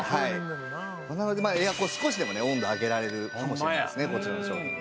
なのでエアコンを少しでもね温度を上げられるかもしれないですねこちらの商品で。